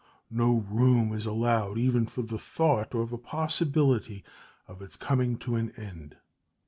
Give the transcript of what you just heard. No room is allowed even for the thought of a possibility of its coming to an end.